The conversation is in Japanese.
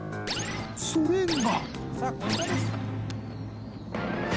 ［それが］